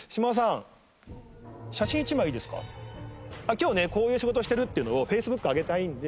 今日ねこういう仕事してるっていうのをＦａｃｅｂｏｏｋ上げたいんで。